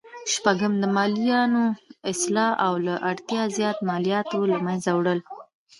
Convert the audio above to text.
شپږم: د مالیاتو اصلاح او له اړتیا زیاتو مالیاتو له مینځه وړل.